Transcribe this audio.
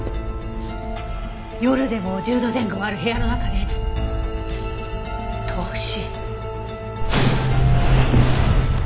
夜でも１０度前後ある部屋の中で凍死。